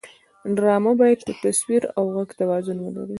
ډرامه باید د تصویر او غږ توازن ولري